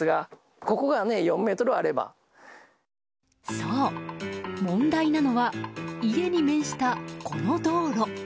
そう、問題なのは家に面した、この道路。